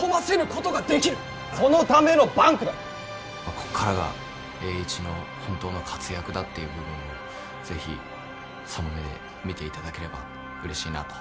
ここからが栄一の本当の活躍だという部分を是非その目で見ていただければうれしいなと思います。